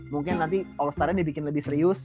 mungkin nanti all star nya dibikin lebih serius